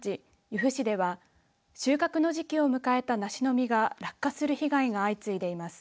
由布市では収穫の時期を迎えた梨の実が落下する被害が相次いでいます。